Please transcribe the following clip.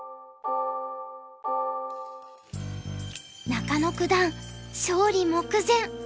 中野九段勝利目前。